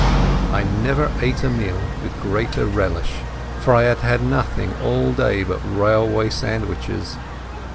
I never ate a meal with greater relish, for I had had nothing all day but railway sandwiches.